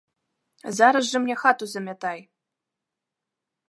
Зараз жа мне хату замятай!